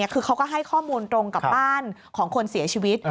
คือเขาก็ให้ข้อมูลตรงกับบ้านของคนเสียชีวิต